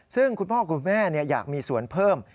ซึ่งคุณพ่อคุณแม่อยากมีส่วนเพิ่ม